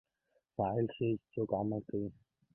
فاعل ښيي، چي څوک عمل کوي.